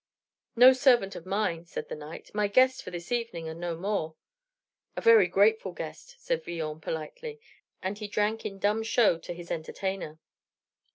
"No servant of mine," said the knight; "my guest for this evening, and no more." "A very grateful guest," said Villon, politely; and he drank in dumb show to his entertainer.